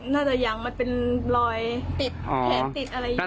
น่าจะยังมันเป็นรอยติดอ๋อแผลติดอะไรอย่างงี้